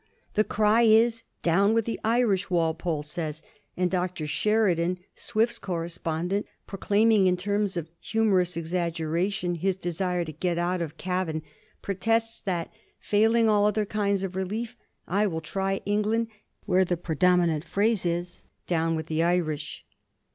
"The cry is, Down with the Irish," Walpole says ; and Dr. Sheridan, Swift's cor respondent, proclaiming in terms of humorous exaggera tion his desire to get out of Cavan, protests that, failing all other means of relief, " I will try England, where the predominant phrase is, Down with the Irish."